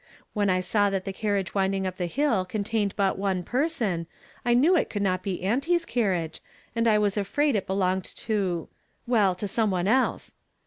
When I saw that the carriage windnig up the hill contained hut one pcraon, I knew it could not be auntie's carriage, and I was afraid it belonged to — well, to some one else."